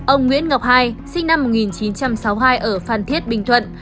ông nguyễn ngọc hai sinh năm một nghìn chín trăm sáu mươi hai ở phan thiết bình thuận